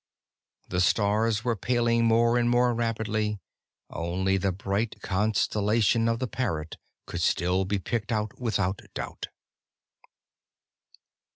The stars were paling more and more rapidly; only the bright constellation of the Parrot could still be picked out without doubt.